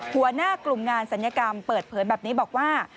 หัวหน้ากลุ่มงานศัลยกรรมเปิดเผยแบบนี้บอกว่า